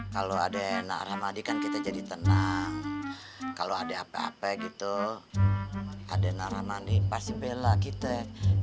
kalau ada enak rahmadi kan kita jadi tenang kalau ada apa apa gitu ada enak rahmadi pasti bela gitu ya